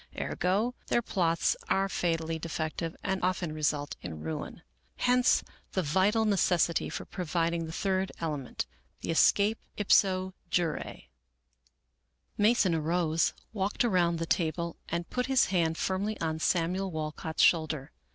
Ergo, their plots are fatally defective and often result in ruin. Hence the vital 79 American Mystery Stories necessity for providing the third element — the escape ipso jure." Mason arose, walked around the table, and put his hand firmly on Samuel Walcott's shoulder.